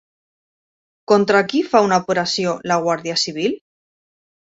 Contra qui fa una operació la Guàrdia Civil?